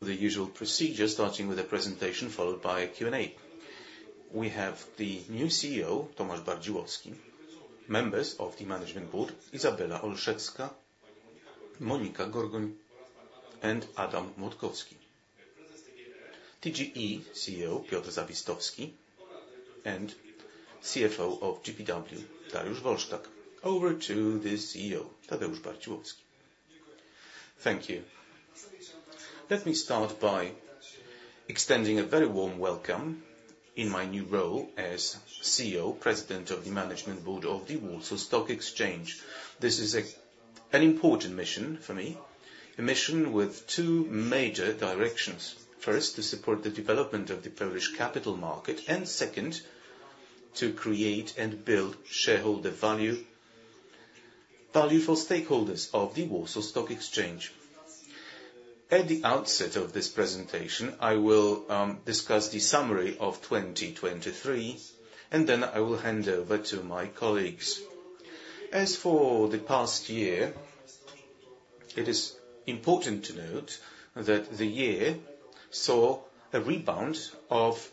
The usual procedure starting with a presentation followed by a Q&A. We have the new CEO, Tomasz Bardziłowski, members of the management board, Izabela Olszewska, Monika Gorgoń, and Adam Młodkowski. TGE CEO, Piotr Zawistowski, and CFO of GPW, Dariusz Wolszczak. Over to the CEO, Tomasz Bardziłowski. Thank you. Let me start by extending a very warm welcome in my new role as CEO, President of the Management Board of the Warsaw Stock Exchange. This is an important mission for me, a mission with two major directions. First, to support the development of the Polish capital market, and second, to create and build shareholder value for stakeholders of the Warsaw Stock Exchange. At the outset of this presentation, I will discuss the summary of 2023, and then I will hand over to my colleagues. As for the past year, it is important to note that the year saw a rebound of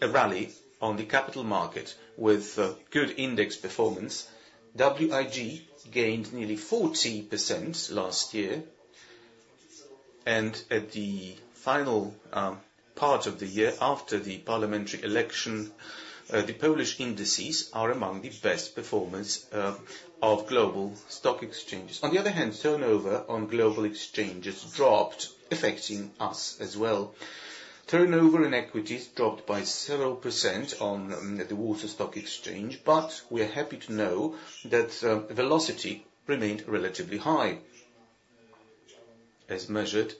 a rally on the capital market with good index performance. WIG gained nearly 40% last year, and at the final part of the year after the parliamentary election, the Polish indices are among the best performers of global stock exchanges. On the other hand, turnover on global exchanges dropped, affecting us as well. Turnover in equities dropped by several% on the Warsaw Stock Exchange, but we are happy to know that velocity remained relatively high as measured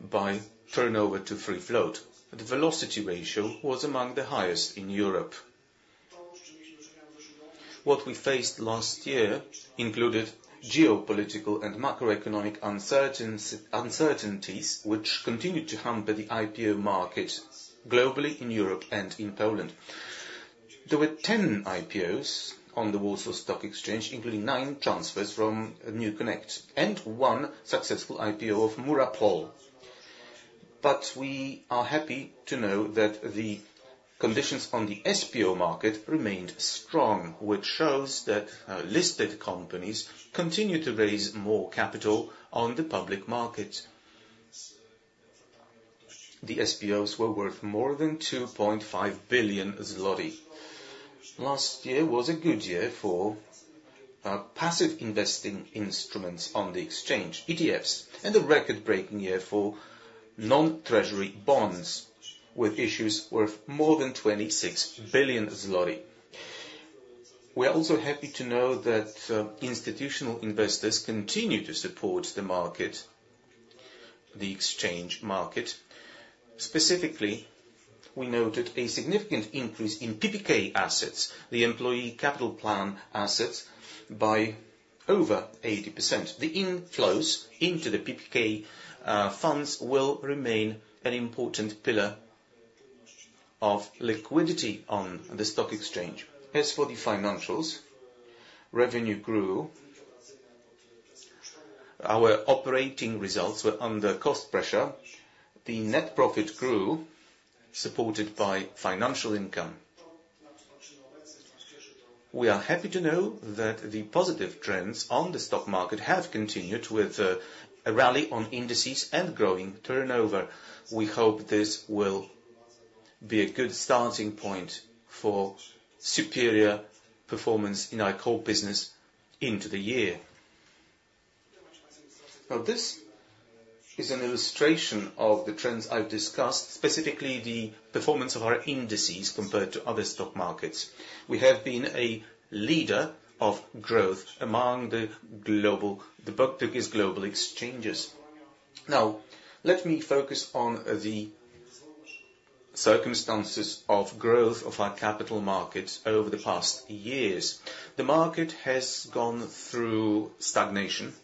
by turnover to free float. The velocity ratio was among the highest in Europe. What we faced last year included geopolitical and macroeconomic uncertainties which continued to hamper the IPO market globally in Europe and in Poland. There were 10 IPOs on the Warsaw Stock Exchange, including nine transfers from NewConnect and one successful IPO of Murapol. But we are happy to know that the conditions on the SPO market remained strong, which shows that listed companies continue to raise more capital on the public market. The SPOs were worth more than 2.5 billion zloty. Last year was a good year for passive investing instruments on the exchange, ETFs, and a record-breaking year for non-treasury bonds with issues worth more than 26 billion zloty. We are also happy to know that institutional investors continue to support the exchange market. Specifically, we noted a significant increase in PPK assets, the employee capital plan assets, by over 80%. The inflows into the PPK funds will remain an important pillar of liquidity on the stock exchange. As for the financials, revenue grew. Our operating results were under cost pressure. The net profit grew, supported by financial income. We are happy to know that the positive trends on the stock market have continued with a rally on indices and growing turnover. We hope this will be a good starting point for superior performance in our core business into the year. Now, this is an illustration of the trends I've discussed, specifically the performance of our indices compared to other stock markets. We have been a leader of growth among the Baltic Global Exchanges. Now, let me focus on the circumstances of growth of our capital markets over the past years. The market has gone through stagnation.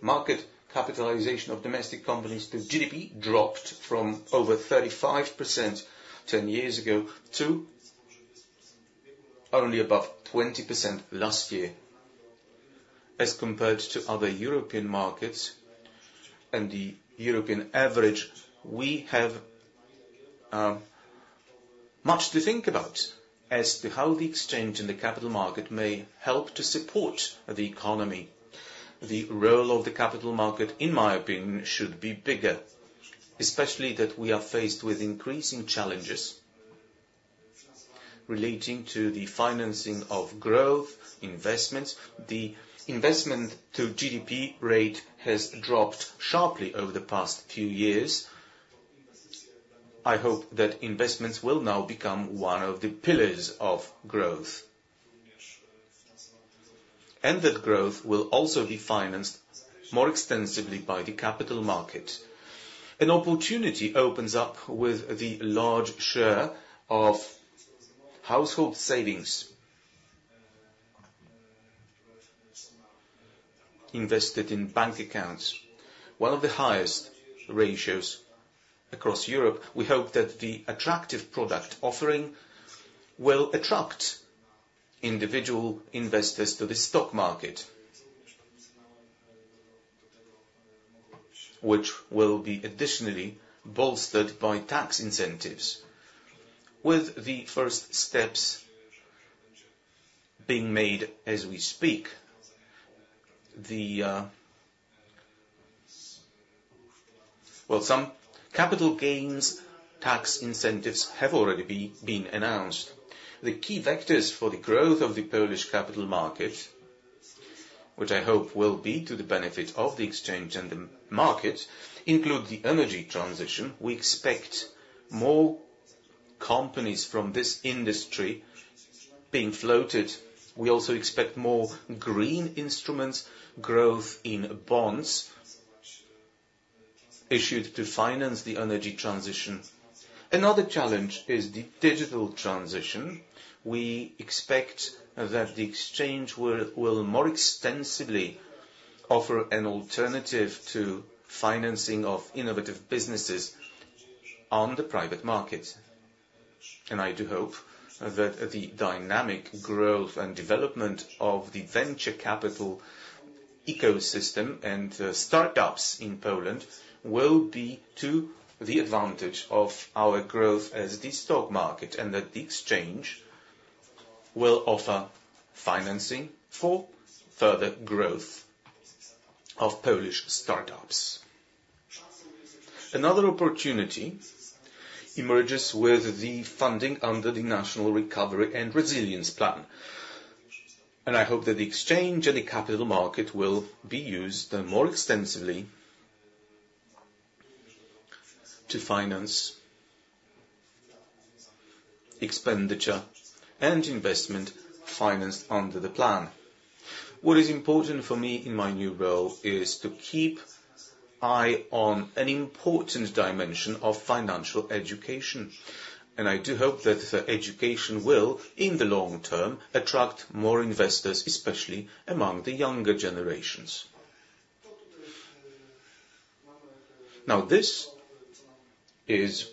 Market capitalization of domestic companies, the GDP, dropped from over 35% 10 years ago to only above 20% last year. As compared to other European markets and the European average, we have much to think about as to how the exchange and the capital market may help to support the economy. The role of the capital market, in my opinion, should be bigger, especially that we are faced with increasing challenges relating to the financing of growth investments. The investment to GDP rate has dropped sharply over the past few years. I hope that investments will now become one of the pillars of growth, and that growth will also be financed more extensively by the capital market. An opportunity opens up with the large share of household savings invested in bank accounts, one of the highest ratios across Europe. We hope that the attractive product offering will attract individual investors to the stock market, which will be additionally bolstered by tax incentives. With the first steps being made as we speak, some capital gains tax incentives have already been announced. The key vectors for the growth of the Polish capital markets, which I hope will be to the benefit of the exchange and the markets, include the energy transition. We expect more companies from this industry being floated. We also expect more green instruments, growth in bonds issued to finance the energy transition. Another challenge is the digital transition. We expect that the exchange will more extensively offer an alternative to financing of innovative businesses on the private market. I do hope that the dynamic growth and development of the venture capital ecosystem and startups in Poland will be to the advantage of our growth as the stock market and that the exchange will offer financing for further growth of Polish startups. Another opportunity emerges with the funding under the National Recovery and Resilience Plan, and I hope that the exchange and the capital market will be used more extensively to finance expenditure and investment financed under the plan. What is important for me in my new role is to keep an eye on an important dimension of financial education, and I do hope that education will, in the long term, attract more investors, especially among the younger generations. Now, this is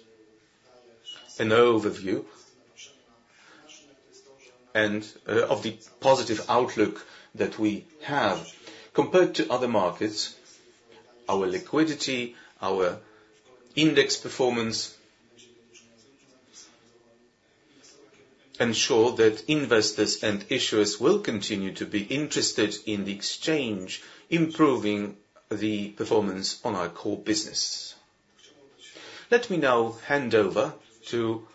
an overview of the positive outlook that we have compared to other markets. Our liquidity, our index performance ensure that investors and issuers will continue to be interested in the exchange, improving the performance on our core business. Let me now hand over to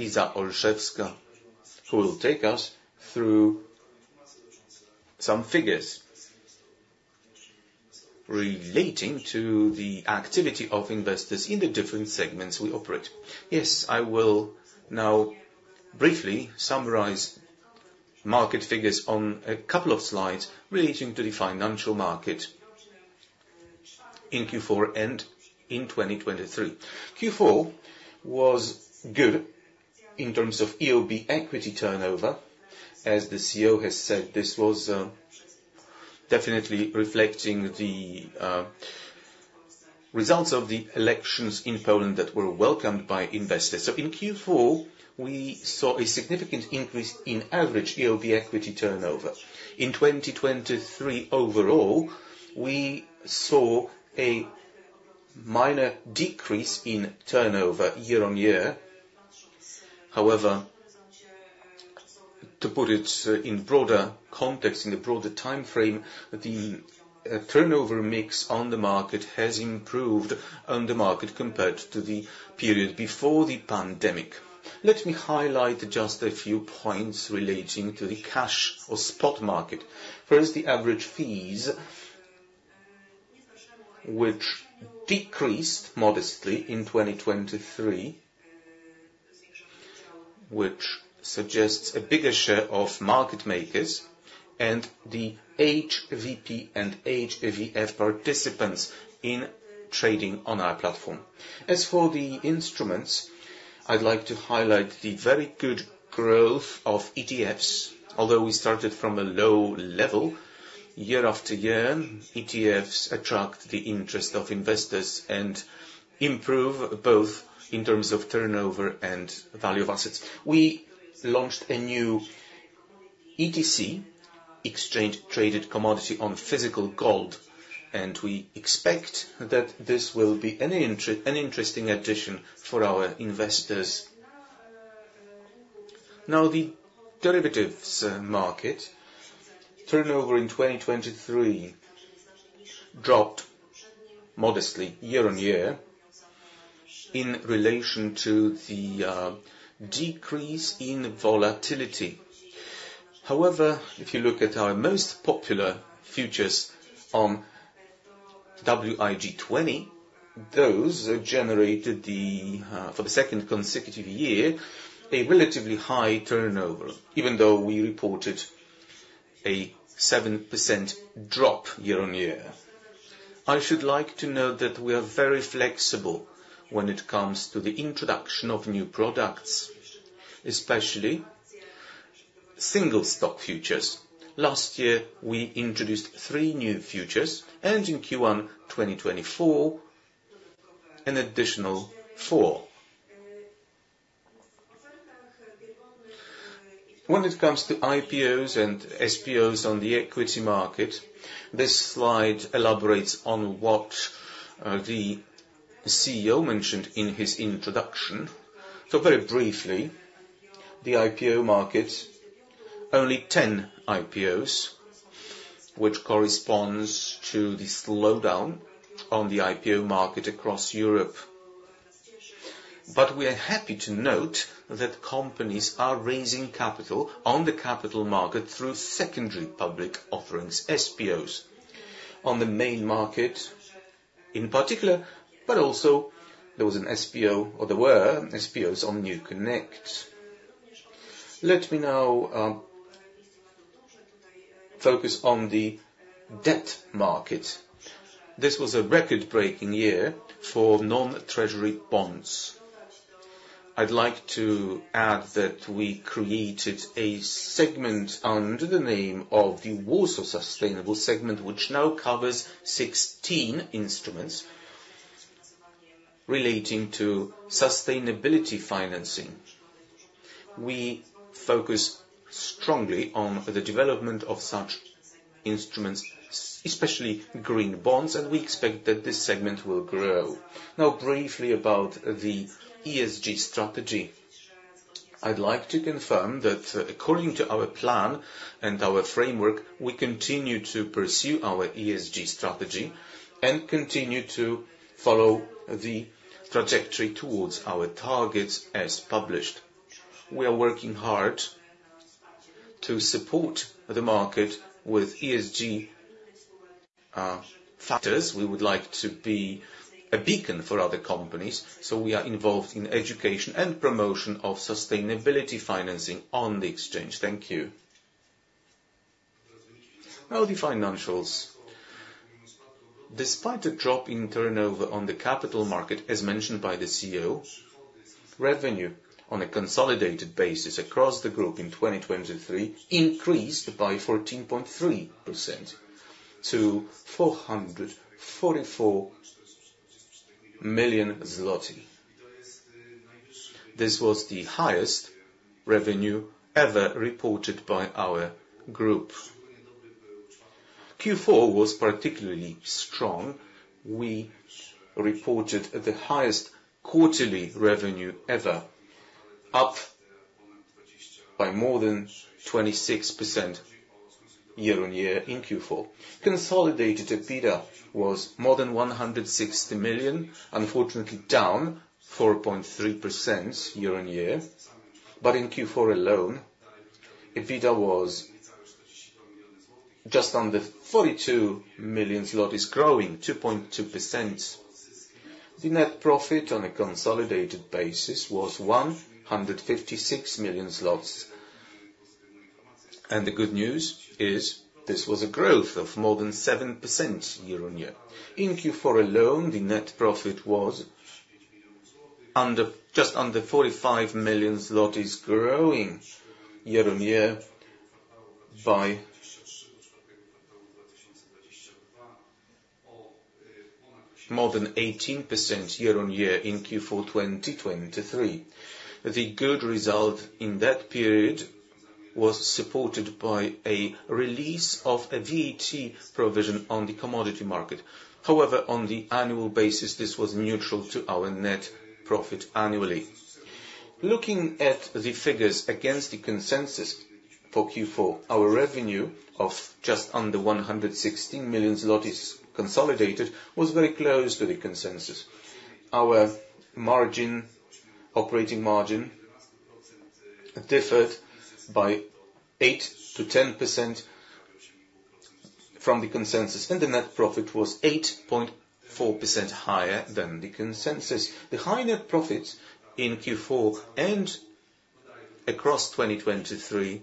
Iza Olszewska, who will take us through some figures relating to the activity of investors in the different segments we operate. Yes, I will now briefly summarize market figures on a couple of slides relating to the financial market in Q4 and in 2023. Q4 was good in terms of EOB equity turnover. As the CEO has said, this was definitely reflecting the results of the elections in Poland that were welcomed by investors. So in Q4, we saw a significant increase in average EOB equity turnover. In 2023 overall, we saw a minor decrease in turnover year-on-year. However, to put it in broader context, in a broader time frame, the turnover mix on the market has improved on the market compared to the period before the pandemic. Let me highlight just a few points relating to the cash or spot market. First, the average fees, which decreased modestly in 2023, which suggests a bigger share of market makers and the HVP and HFT participants in trading on our platform. As for the instruments, I'd like to highlight the very good growth of ETFs. Although we started from a low level, year after year, ETFs attract the interest of investors and improve both in terms of turnover and value of assets. We launched a new ETC, exchange-traded commodity on physical gold, and we expect that this will be an interesting addition for our investors. Now, the derivatives market turnover in 2023 dropped modestly year-over-year in relation to the decrease in volatility. However, if you look at our most popular futures on WIG20, those generated, for the second consecutive year, a relatively high turnover, even though we reported a 7% drop year-over-year. I should like to note that we are very flexible when it comes to the introduction of new products, especially single stock futures. Last year, we introduced three new futures, and in Q1 2024, an additional four. When it comes to IPOs and SPOs on the equity market, this slide elaborates on what the CEO mentioned in his introduction. So very briefly, the IPO market, only 10 IPOs, which corresponds to the slowdown on the IPO market across Europe. But we are happy to note that companies are raising capital on the capital market through secondary public offerings SPOs on the main market in particular, but also there was an SPO, or there were, SPOs on NewConnect. Let me now focus on the debt market. This was a record-breaking year for non-treasury bonds. I'd like to add that we created a segment under the name of the Warsaw Sustainable segment, which now covers 16 instruments relating to sustainability financing. We focus strongly on the development of such instruments, especially green bonds, and we expect that this segment will grow. Now, briefly about the ESG strategy, I'd like to confirm that according to our plan and our framework, we continue to pursue our ESG strategy and continue to follow the trajectory towards our targets as published. We are working hard to support the market with ESG factors. We would like to be a beacon for other companies, so we are involved in education and promotion of sustainability financing on the exchange. Thank you. Now, the financials. Despite a drop in turnover on the capital market, as mentioned by the CEO, revenue on a consolidated basis across the group in 2023 increased by 14.3% to PLN 444 million. This was the highest revenue ever reported by our group. Q4 was particularly strong. We reported the highest quarterly revenue ever, up by more than 26% year-over-year in Q4. Consolidated EBITDA was more than 160 million, unfortunately down 4.3% year-over-year, but in Q4 alone, EBITDA was just under 42 million zloty, growing 2.2%. The net profit on a consolidated basis was 156 million zlotys, and the good news is this was a growth of more than 7% year-over-year. In Q4 alone, the net profit was just under PLN 45 million, growing year-over-year by more than 18% year-over-year in Q4 2023. The good result in that period was supported by a release of a VAT provision on the commodity market. However, on the annual basis, this was neutral to our net profit annually. Looking at the figures against the consensus for Q4, our revenue of just under 116 million zlotys consolidated was very close to the consensus. Our operating margin differed by 8%-10% from the consensus, and the net profit was 8.4% higher than the consensus. The high net profits in Q4 and across 2023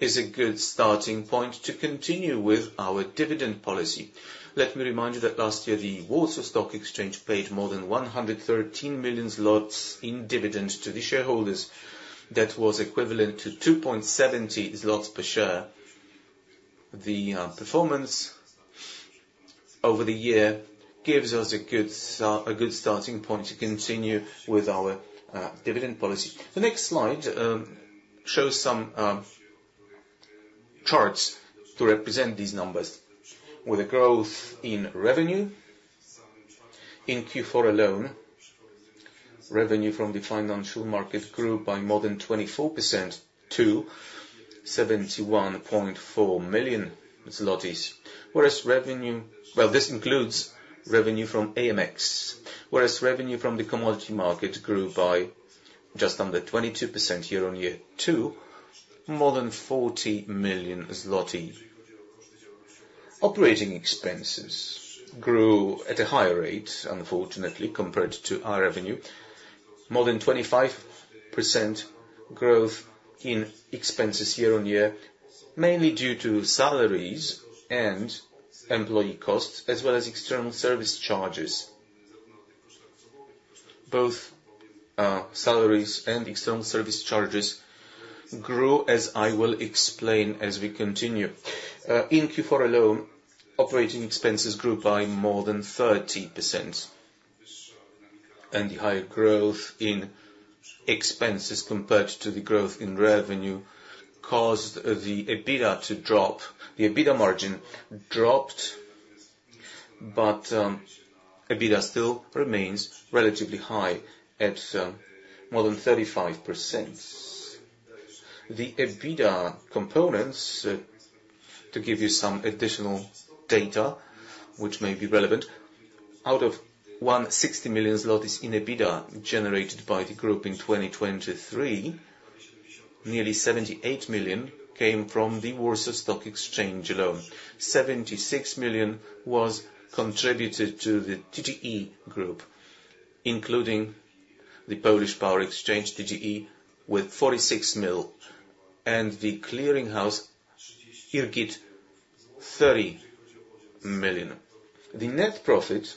is a good starting point to continue with our dividend policy. Let me remind you that last year, the Warsaw Stock Exchange paid more than 113 million zlotys in dividends to the shareholders. That was equivalent to 2.70 zlotys per share. The performance over the year gives us a good starting point to continue with our dividend policy. The next slide shows some charts to represent these numbers. With a growth in revenue in Q4 alone, revenue from the financial market grew by more than 24% to 71.4 million zlotys, whereas revenue well, this includes revenue from AMX, whereas revenue from the commodity market grew by just under 22% year-over-year, to more than 40 million zloty. Operating expenses grew at a higher rate, unfortunately, compared to our revenue. More than 25% growth in expenses year-over-year, mainly due to salaries and employee costs, as well as external service charges. Both salaries and external service charges grew, as I will explain as we continue. In Q4 alone, operating expenses grew by more than 30%, and the higher growth in expenses compared to the growth in revenue caused the EBITDA to drop. The EBITDA margin dropped, but EBITDA still remains relatively high at more than 35%. The EBITDA components, to give you some additional data which may be relevant, out of 160 million zlotys in EBITDA generated by the group in 2023, nearly 78 million came from the Warsaw Stock Exchange alone. 76 million was contributed to the TGE group, including the Polish Power Exchange TGE with 46 million and the clearinghouse IRGiT 30 million. The net profit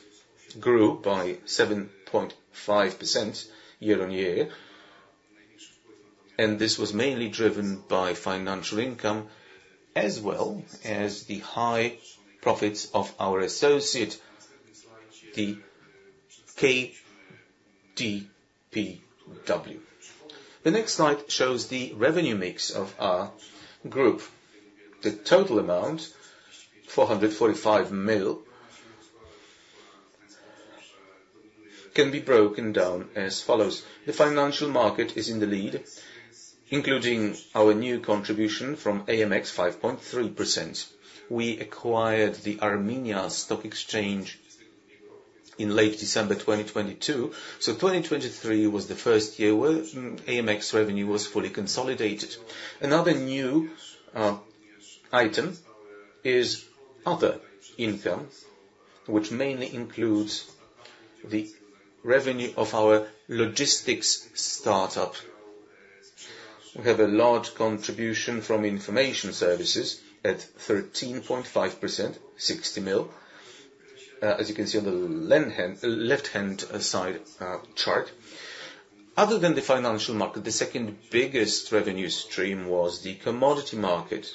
grew by 7.5% year-over-year, and this was mainly driven by financial income as well as the high profits of our associate, the KDPW. The next slide shows the revenue mix of our group. The total amount, 445 million, can be broken down as follows. The financial market is in the lead, including our new contribution from AMX, 5.3%. We acquired the Armenia Securities Exchange in late December 2022, so 2023 was the first year where AMX revenue was fully consolidated. Another new item is other income, which mainly includes the revenue of our logistics startup. We have a large contribution from information services at 13.5%, 60 million, as you can see on the left-hand side chart. Other than the financial market, the second biggest revenue stream was the commodity market.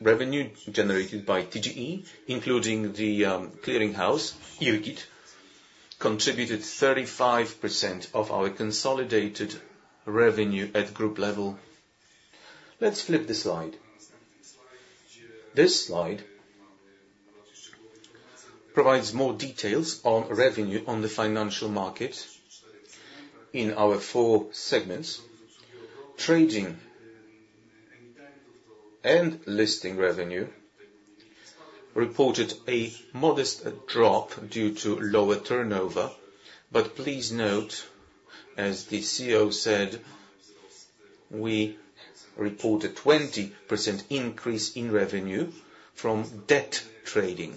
Revenue generated by TGE, including the clearinghouse IRGiT, contributed 35% of our consolidated revenue at group level. Let's flip the slide. This slide provides more details on revenue on the financial market in our four segments. Trading and listing revenue reported a modest drop due to lower turnover, but please note, as the CEO said, we reported a 20% increase in revenue from debt trading,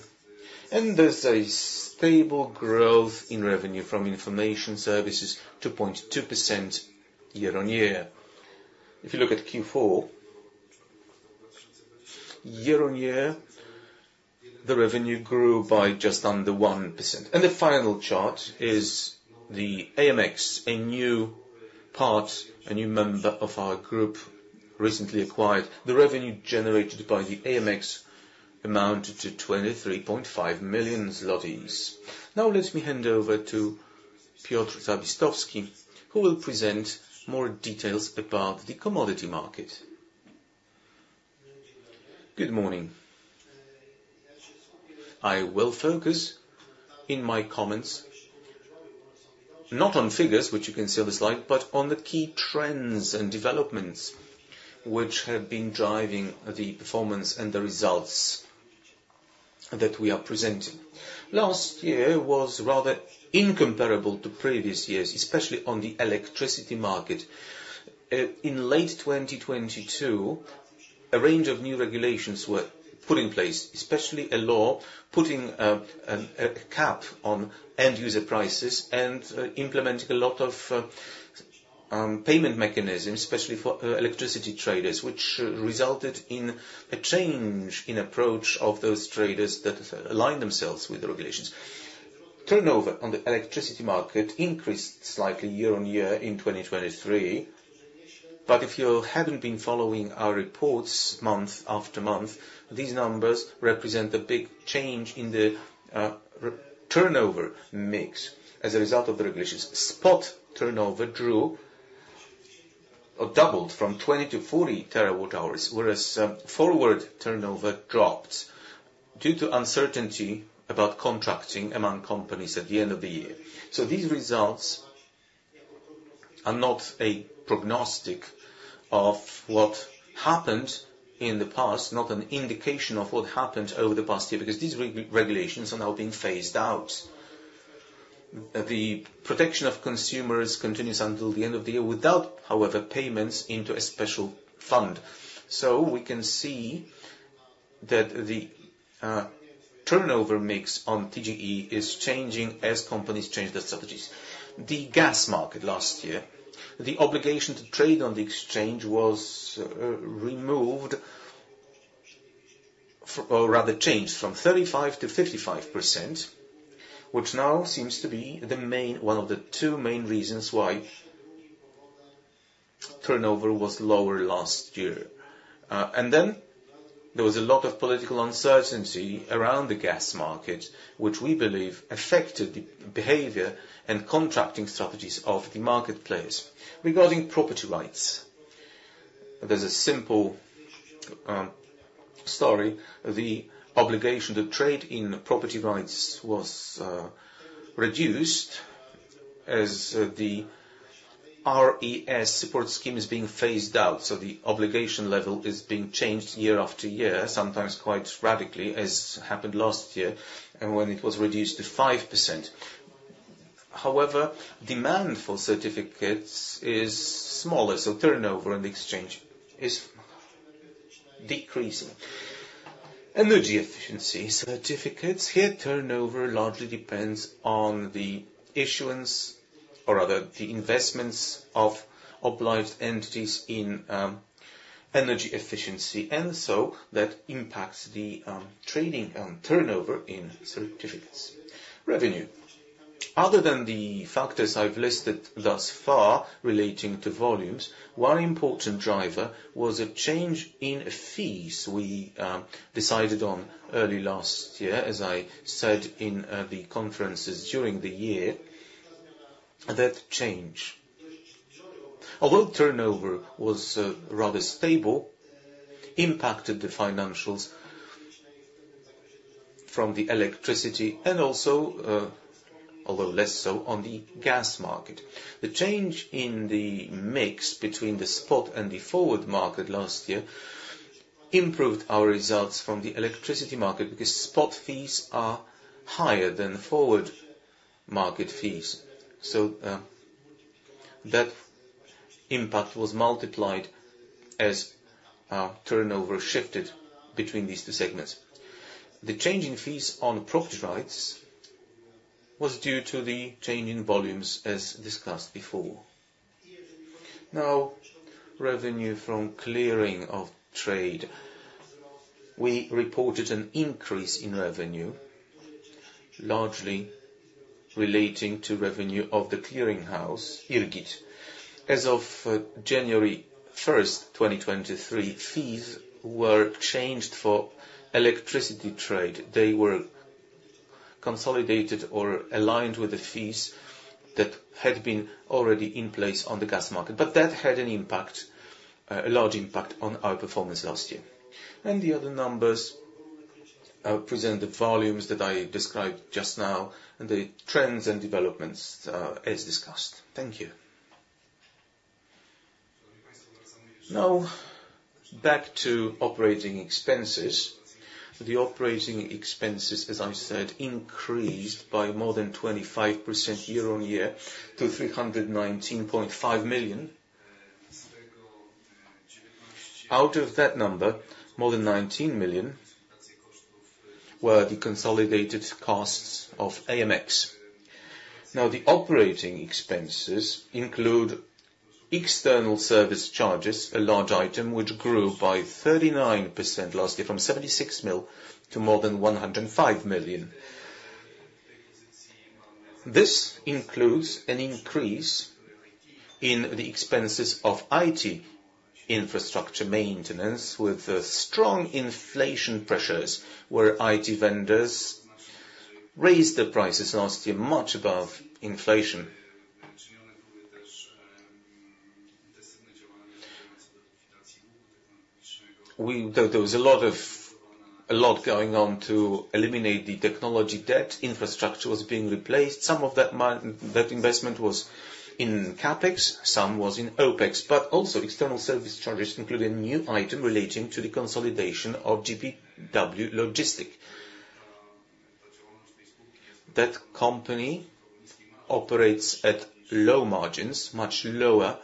and there's a stable growth in revenue from information services, 2.2% year-on-year. If you look at Q4 year-on-year, the revenue grew by just under 1%. The final chart is the AMX, a new part, a new member of our group recently acquired. The revenue generated by the AMX amounted to 23.5 million zlotys. Now, let me hand over to Piotr Zawistowski, who will present more details about the commodity market. Good morning. I will focus in my comments not on figures, which you can see on the slide, but on the key trends and developments which have been driving the performance and the results that we are presenting. Last year was rather incomparable to previous years, especially on the electricity market. In late 2022, a range of new regulations were put in place, especially a law putting a cap on end-user prices and implementing a lot of payment mechanisms, especially for electricity traders, which resulted in a change in approach of those traders that align themselves with the regulations. Turnover on the electricity market increased slightly year on year in 2023, but if you haven't been following our reports month after month, these numbers represent a big change in the turnover mix as a result of the regulations. Spot turnover grew or doubled from 20 to 40 TWh, whereas forward turnover dropped due to uncertainty about contracting among companies at the end of the year. So these results are not a prognostic of what happened in the past, not an indication of what happened over the past year because these regulations are now being phased out. The protection of consumers continues until the end of the year without, however, payments into a special fund. So we can see that the turnover mix on TGE is changing as companies change their strategies. The gas market last year, the obligation to trade on the exchange was removed or rather changed from 35%-55%, which now seems to be one of the two main reasons why turnover was lower last year. And then there was a lot of political uncertainty around the gas market, which we believe affected the behavior and contracting strategies of the marketplace. Regarding property rights, there's a simple story. The obligation to trade in property rights was reduced as the RES support scheme is being phased out, so the obligation level is being changed year after year, sometimes quite radically, as happened last year when it was reduced to 5%. However, demand for certificates is smaller, so turnover on the exchange is decreasing. Energy efficiency certificates. Here, turnover largely depends on the issuance or rather the investments of obliged entities in energy efficiency, and so that impacts the trading turnover in certificates. Revenue. Other than the factors I've listed thus far relating to volumes, one important driver was a change in fees we decided on early last year, as I said in the conferences during the year. That change, although turnover was rather stable, impacted the financials from the electricity and also, although less so, on the gas market. The change in the mix between the spot and the forward market last year improved our results from the electricity market because spot fees are higher than forward market fees, so that impact was multiplied as turnover shifted between these two segments. The change in fees on property rights was due to the change in volumes, as discussed before. Now, revenue from clearing of trade. We reported an increase in revenue, largely relating to revenue of the clearinghouse IRGiT. As of January 1st, 2023, fees were changed for electricity trade. They were consolidated or aligned with the fees that had been already in place on the gas market, but that had a large impact on our performance last year. The other numbers present the volumes that I described just now and the trends and developments, as discussed. Thank you. Now, back to operating expenses. The operating expenses, as I said, increased by more than 25% year-on-year to 319.5 million. Out of that number, more than 19 million were the consolidated costs of AMX. Now, the operating expenses include external service charges, a large item, which grew by 39% last year from 76 million to more than 105 million. This includes an increase in the expenses of IT infrastructure maintenance with strong inflation pressures, where IT vendors raised their prices last year much above inflation. There was a lot going on to eliminate the technology debt. Infrastructure was being replaced. Some of that investment was in CAPEX, some was in OPEX, but also external service charges included a new item relating to the consolidation of GPW Logistyka. That company operates at low margins, much lower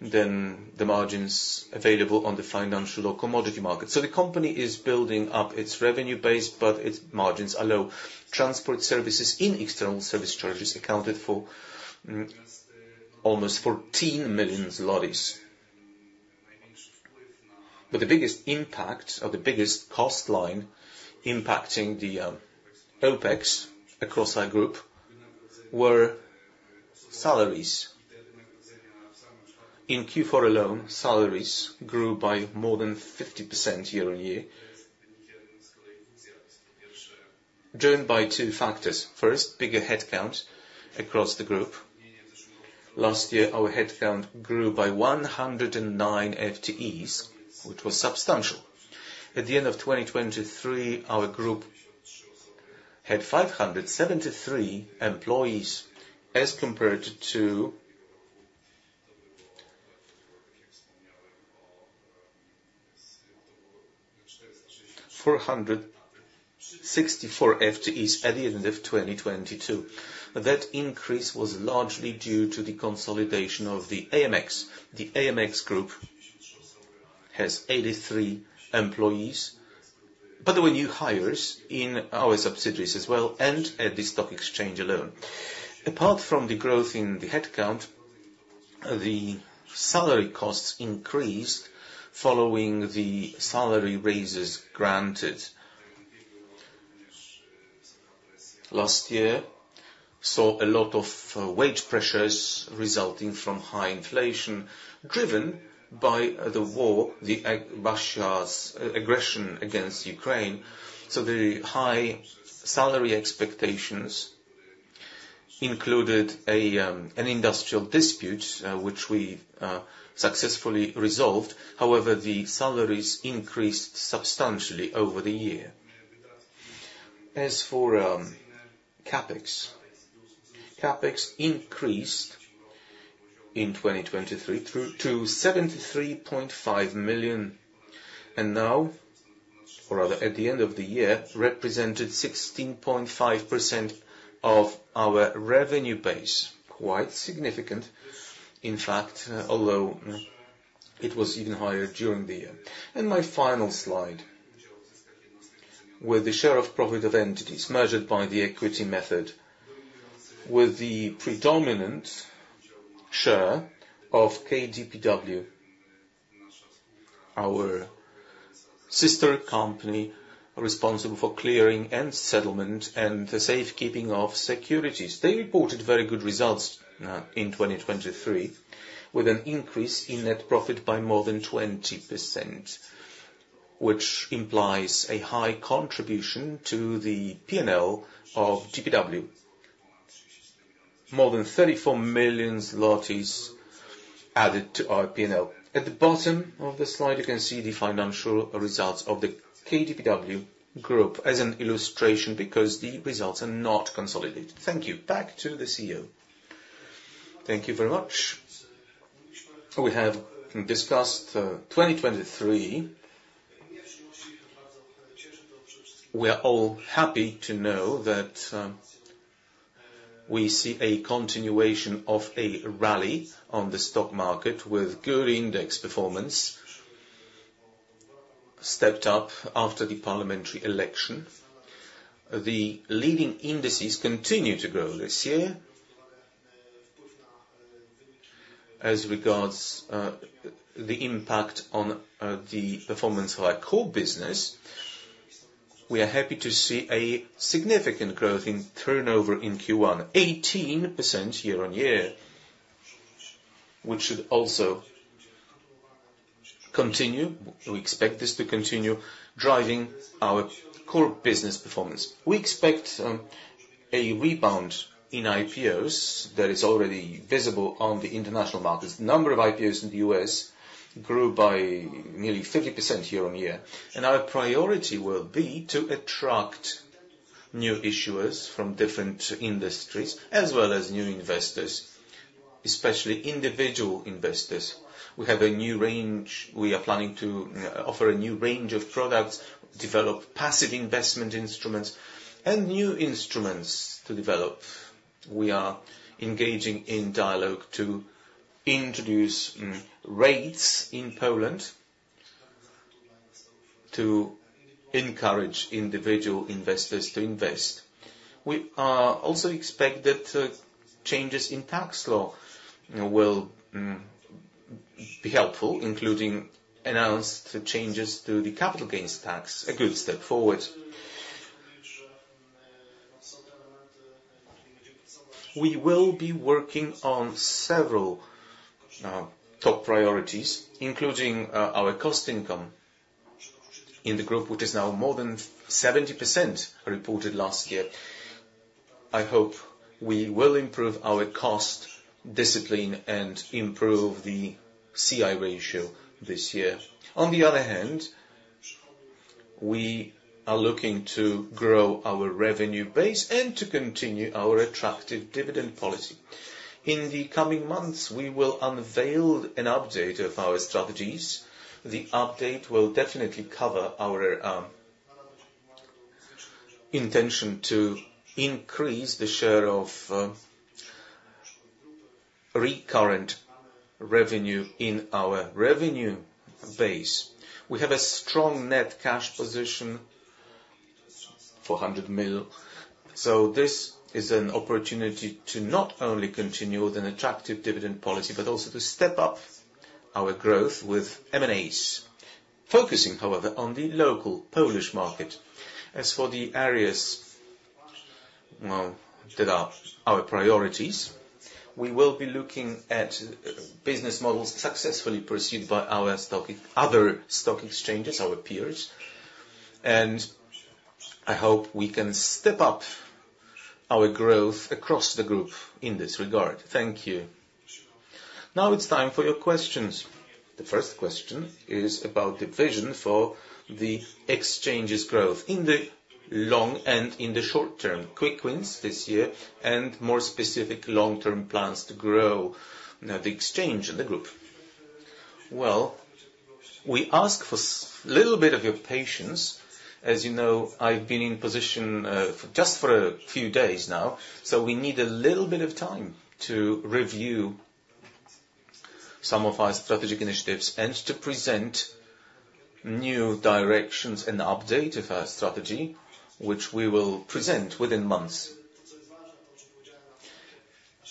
than the margins available on the financial or commodity market. So the company is building up its revenue base, but its margins are low. Transport services in external service charges accounted for almost PLN 14 million. But the biggest impact or the biggest cost line impacting the OPEX across our group were salaries. In Q4 alone, salaries grew by more than 50% year-on-year, joined by two factors. First, bigger headcount across the group. Last year, our headcount grew by 109 FTEs, which was substantial. At the end of 2023, our group had 573 employees as compared to 464 FTEs at the end of 2022. That increase was largely due to the consolidation of the AMX. The AMX group has 83 employees, but there were new hires in our subsidiaries as well and at the stock exchange alone. Apart from the growth in the headcount, the salary costs increased following the salary raises granted. Last year, we saw a lot of wage pressures resulting from high inflation driven by the war, the aggression against Ukraine. So the high salary expectations included an industrial dispute, which we successfully resolved. However, the salaries increased substantially over the year. As for CAPEX, CAPEX increased in 2023 to 73.5 million and now, or rather at the end of the year, represented 16.5% of our revenue base. Quite significant, in fact, although it was even higher during the year. And my final slide with the share of profit of entities measured by the equity method with the predominant share of KDPW, our sister company responsible for clearing and settlement and the safekeeping of securities. They reported very good results in 2023 with an increase in net profit by more than 20%, which implies a high contribution to the P&L of GPW. More than 34 million added to our P&L. At the bottom of the slide, you can see the financial results of the KDPW group as an illustration because the results are not consolidated. Thank you. Back to the CEO. Thank you very much. We have discussed 2023. We are all happy to know that we see a continuation of a rally on the stock market with good index performance stepped up after the parliamentary election. The leading indices continue to grow this year. As regards the impact on the performance of our core business, we are happy to see a significant growth in turnover in Q1, 18% year-over-year, which should also continue. We expect this to continue driving our core business performance. We expect a rebound in IPOs that is already visible on the international markets. The number of IPOs in the U.S. grew by nearly 50% year-over-year, and our priority will be to attract new issuers from different industries as well as new investors, especially individual investors. We have a new range. We are planning to offer a new range of products, develop passive investment instruments, and new instruments to develop. We are engaging in dialogue to introduce REITs in Poland to encourage individual investors to invest. We also expect that changes in tax law will be helpful, including announced changes to the capital gains tax, a good step forward. We will be working on several top priorities, including our cost income in the group, which is now more than 70% reported last year. I hope we will improve our cost discipline and improve the CI ratio this year. On the other hand, we are looking to grow our revenue base and to continue our attractive dividend policy. In the coming months, we will unveil an update of our strategies. The update will definitely cover our intention to increase the share of recurrent revenue in our revenue base. We have a strong net cash position for 100 million. So this is an opportunity to not only continue with an attractive dividend policy but also to step up our growth with M&As, focusing, however, on the local Polish market. As for the areas that are our priorities, we will be looking at business models successfully pursued by other stock exchanges, our peers, and I hope we can step up our growth across the group in this regard. Thank you. Now, it's time for your questions. The first question is about the vision for the exchange's growth in the long and in the short term, quick wins this year, and more specific long-term plans to grow the exchange and the group. Well, we ask for a little bit of your patience. As you know, I've been in position just for a few days now, so we need a little bit of time to review some of our strategic initiatives and to present new directions and update of our strategy, which we will present within months.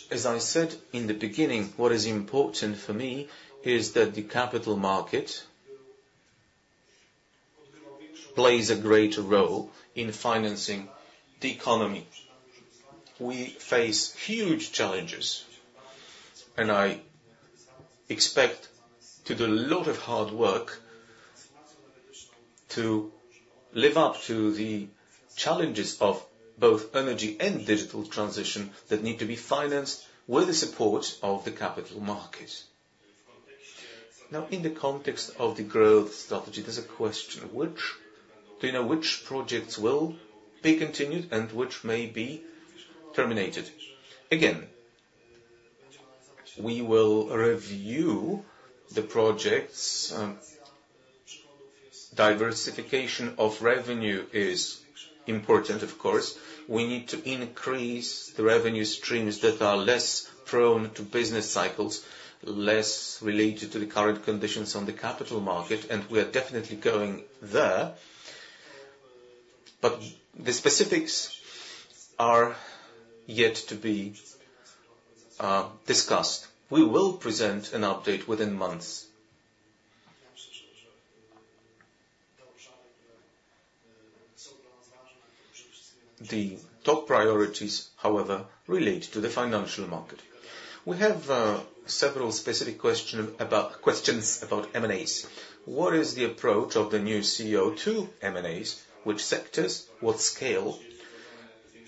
As I said in the beginning, what is important for me is that the capital market plays a greater role in financing the economy. We face huge challenges, and I expect to do a lot of hard work to live up to the challenges of both energy and digital transition that need to be financed with the support of the capital market. Now, in the context of the growth strategy, there's a question. Do you know which projects will be continued and which may be terminated? Again, we will review the projects. Diversification of revenue is important, of course. We need to increase the revenue streams that are less prone to business cycles, less related to the current conditions on the capital market, and we are definitely going there, but the specifics are yet to be discussed. We will present an update within months. The top priorities, however, relate to the financial market. We have several specific questions about M&As. What is the approach of the new CEO to M&As? Which sectors? What scale?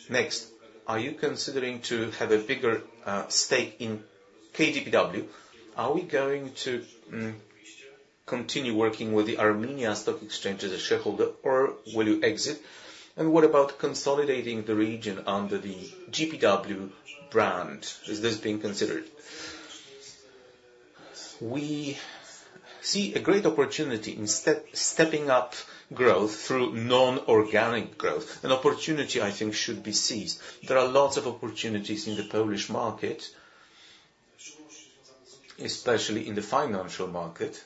Next, are you considering to have a bigger stake in KDPW? Are we going to continue working with the Armenia stock exchange as a shareholder, or will you exit? And what about consolidating the region under the GPW brand? Is this being considered? We see a great opportunity in stepping up growth through non-organic growth. An opportunity, I think, should be seized. There are lots of opportunities in the Polish market, especially in the financial market.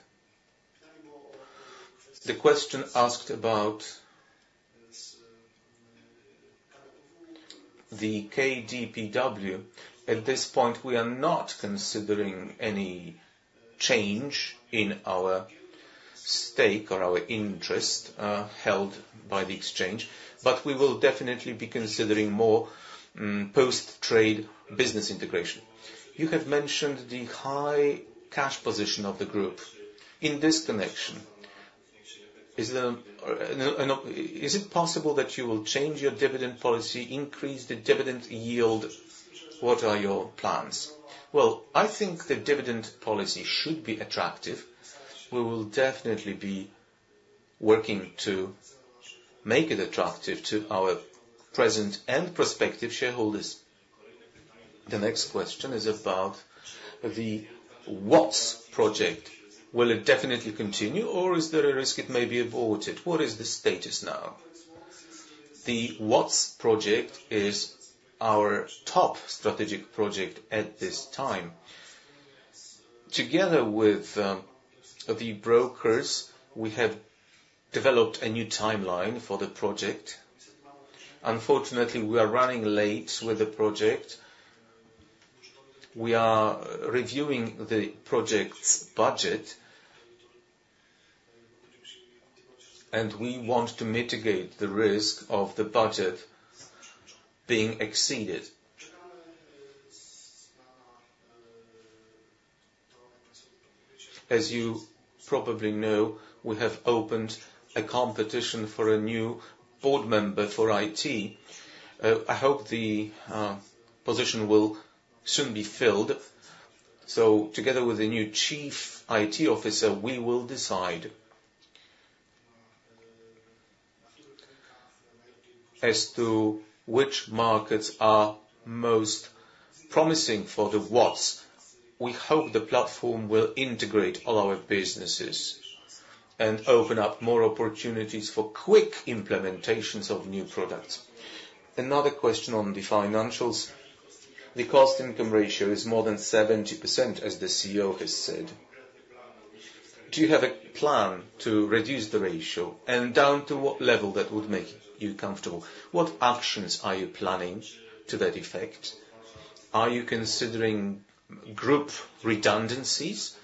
The question asked about the KDPW. At this point, we are not considering any change in our stake or our interest held by the exchange, but we will definitely be considering more post-trade business integration. You have mentioned the high cash position of the group. In this connection, is it possible that you will change your dividend policy, increase the dividend yield? What are your plans? Well, I think the dividend policy should be attractive. We will definitely be working to make it attractive to our present and prospective shareholders. The next question is about the WATS project. Will it definitely continue, or is there a risk it may be aborted? What is the status now? The WATS project is our top strategic project at this time. Together with the brokers, we have developed a new timeline for the project. Unfortunately, we are running late with the project. We are reviewing the project's budget, and we want to mitigate the risk of the budget being exceeded. As you probably know, we have opened a competition for a new board member for IT. I hope the position will soon be filled. So together with the new chief IT officer, we will decide as to which markets are most promising for the WATS. We hope the platform will integrate all our businesses and open up more opportunities for quick implementations of new products. Another question on the financials. The cost-income ratio is more than 70%, as the CEO has said. Do you have a plan to reduce the ratio, and down to what level that would make you comfortable? What actions are you planning to that effect? Are you considering group redundancies?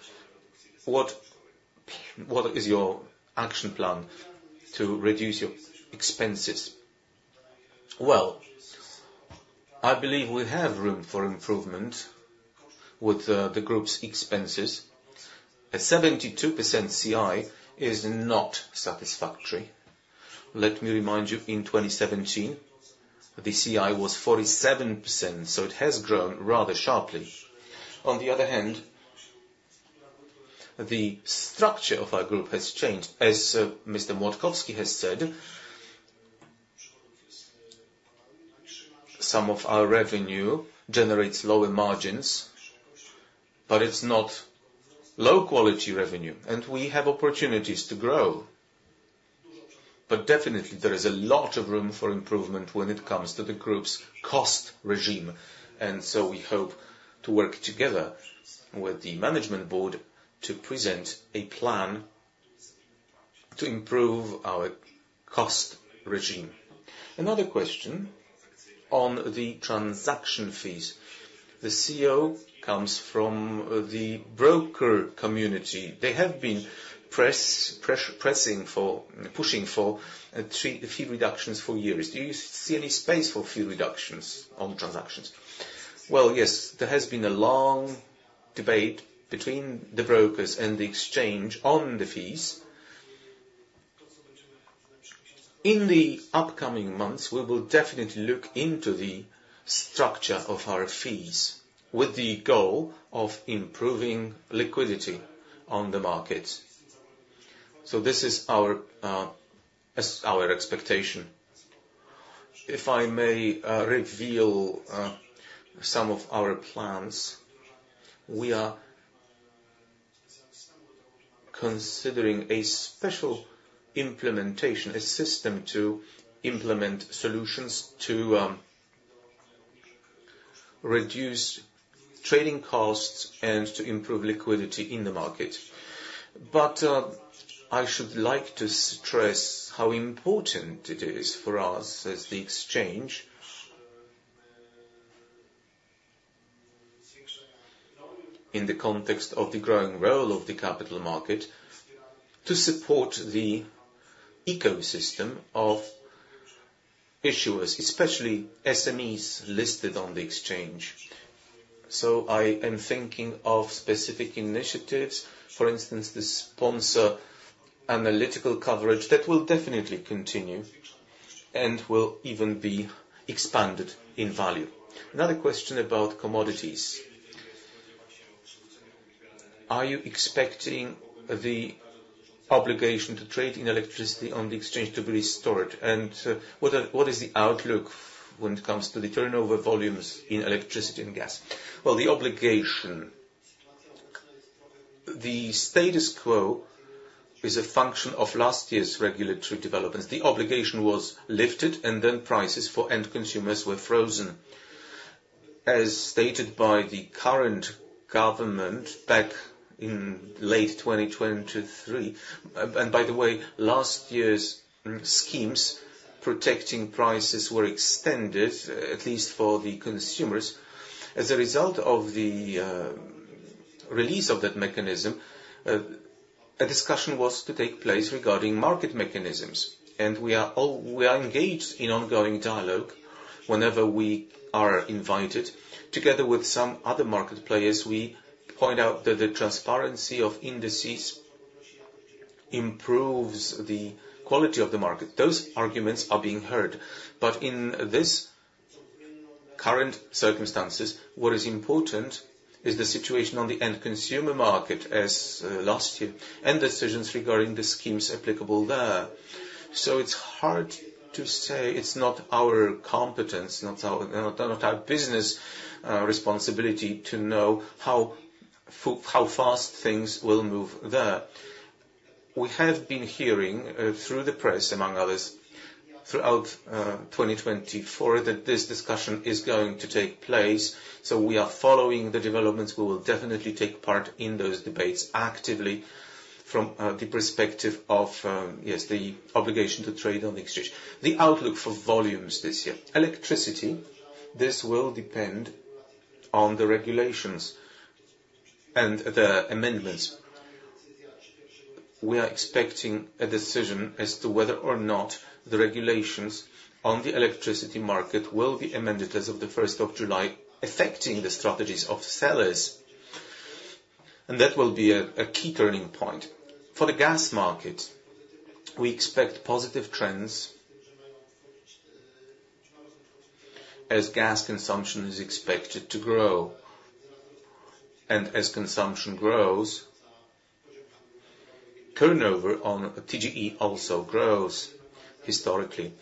What is your action plan to reduce your expenses? Well, I believe we have room for improvement with the group's expenses. A 72% CI is not satisfactory. Let me remind you, in 2017, the CI was 47%, so it has grown rather sharply. On the other hand, the structure of our group has changed. As Mr. Młodkowski has said, some of our revenue generates lower margins, but it's not low-quality revenue, and we have opportunities to grow. Definitely, there is a lot of room for improvement when it comes to the group's cost regime, and so we hope to work together with the management board to present a plan to improve our cost regime. Another question on the transaction fees. The CEO comes from the broker community. They have been pushing for fee reductions for years. Do you see any space for fee reductions on transactions? Well, yes. There has been a long debate between the brokers and the exchange on the fees. In the upcoming months, we will definitely look into the structure of our fees with the goal of improving liquidity on the market. So this is our expectation. If I may reveal some of our plans, we are considering a special implementation, a system to implement solutions to reduce trading costs and to improve liquidity in the market. But I should like to stress how important it is for us as the exchange, in the context of the growing role of the capital market, to support the ecosystem of issuers, especially SMEs listed on the exchange. So I am thinking of specific initiatives, for instance, the sponsor analytical coverage that will definitely continue and will even be expanded in value. Another question about commodities. Are you expecting the obligation to trade in electricity on the exchange to be restored, and what is the outlook when it comes to the turnover volumes in electricity and gas? Well, the obligation, the status quo is a function of last year's regulatory developments. The obligation was lifted, and then prices for end consumers were frozen. As stated by the current government back in late 2023, and by the way, last year's schemes protecting prices were extended, at least for the consumers. As a result of the release of that mechanism, a discussion was to take place regarding market mechanisms, and we are engaged in ongoing dialogue. Whenever we are invited, together with some other market players, we point out that the transparency of indices improves the quality of the market. Those arguments are being heard, but in these current circumstances, what is important is the situation on the end consumer market as last year and decisions regarding the schemes applicable there. So it's hard to say. It's not our competence, not our business responsibility to know how fast things will move there. We have been hearing through the press, among others, throughout 2024, that this discussion is going to take place. So we are following the developments. We will definitely take part in those debates actively from the perspective of, yes, the obligation to trade on the exchange. The outlook for volumes this year, electricity, this will depend on the regulations and the amendments. We are expecting a decision as to whether or not the regulations on the electricity market will be amended as of the 1st of July, affecting the strategies of sellers, and that will be a key turning point. For the gas market, we expect positive trends as gas consumption is expected to grow, and as consumption grows, turnover on TGE also grows historically.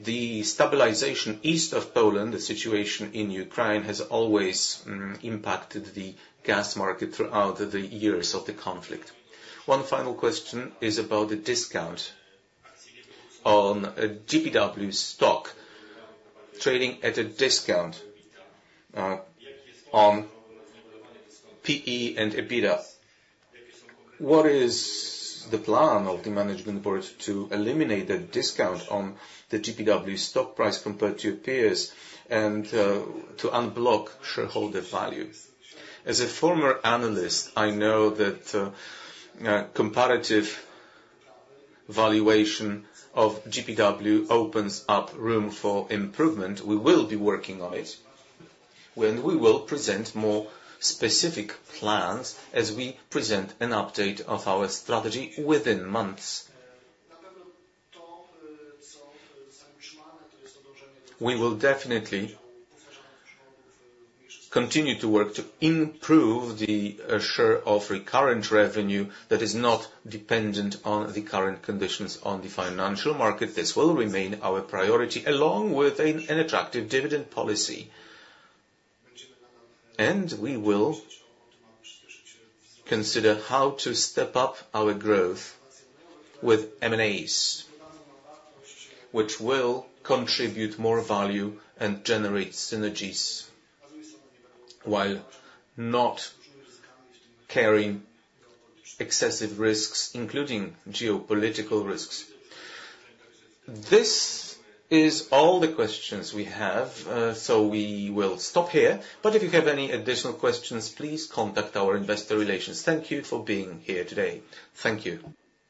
The stabilization east of Poland, the situation in Ukraine, has always impacted the gas market throughout the years of the conflict. One final question is about the discount on GPW stock, trading at a discount on PE and EBITDA. What is the plan of the management board to eliminate that discount on the GPW stock price compared to peers and to unblock shareholder value? As a former analyst, I know that comparative valuation of GPW opens up room for improvement. We will be working on it, and we will present more specific plans as we present an update of our strategy within months. We will definitely continue to work to improve the share of recurrent revenue that is not dependent on the current conditions on the financial market. This will remain our priority, along with an attractive dividend policy, and we will consider how to step up our growth with M&As, which will contribute more value and generate synergies while not carrying excessive risks, including geopolitical risks. This is all the questions we have, so we will stop here, but if you have any additional questions, please contact our investor relations. Thank you for being here today. Thank you.